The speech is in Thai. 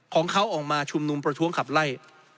ของเขาออกมาชุมนุมประท้วงขับไล่